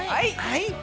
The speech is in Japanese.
はい！